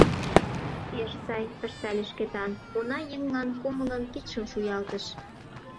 — Пеш сай, — ыштале Шкетан, уна еҥлан кумылын кидшым шуялтыш.